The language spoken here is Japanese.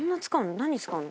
何に使うの？